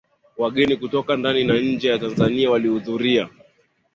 Wageni kutoka ndani na nje ya Tanzania walihudhuria